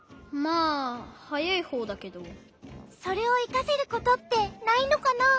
それをいかせることってないのかな？